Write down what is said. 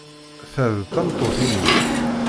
Ta d tameṭṭut-inu.